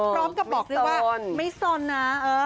พร้อมกับบอกด้วยว่าไม่สนนะ